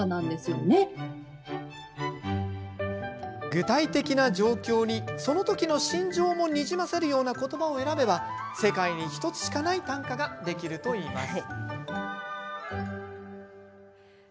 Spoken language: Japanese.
具体的な状況にその時の心情もにじませるような言葉を選べば世界に１つしかない短歌ができるといいます。